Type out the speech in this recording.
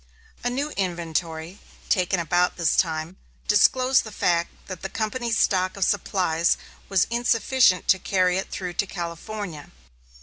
A new inventory, taken about this time, disclosed the fact that the company's stock of supplies was insufficient to carry it through to California.